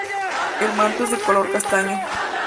El manto es de color castaño.